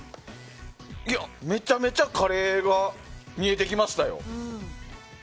めちゃめちゃカレーが見えてきましたよ。